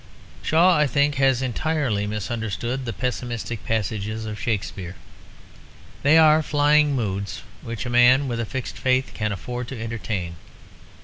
Shaw, I think, has entirely misunderstood the pessimistic passages of Shakespeare. They are flying moods which a man with a fixed faith can afford to entertain.